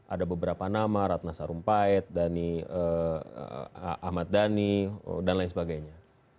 ada beberapa nama ratna sarumpait dhani ahmad dhani dan lain sebagainya